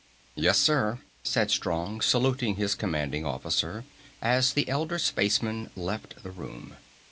"Yes, sir," said Strong, saluting his commanding officer as the elder spaceman left the room.